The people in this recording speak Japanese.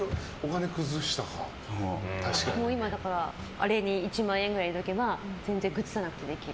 今、あれに１万円くらい入れておけば全然崩さなくてできる。